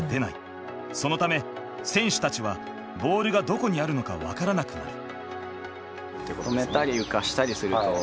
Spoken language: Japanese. そのため選手たちはボールがどこにあるのか分からなくなる。